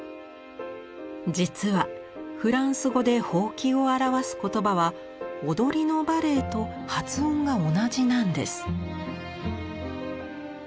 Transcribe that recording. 実はフランス語で「ほうき」を表す言葉は踊りの「バレエ」と発音が同じなんです。